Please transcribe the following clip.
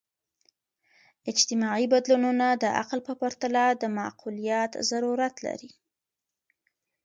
اجتماعي بدلونونه د عقل په پرتله د معقولیت ضرورت لري.